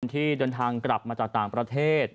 ที่เดินทางกลับมาจากต่างประเทศ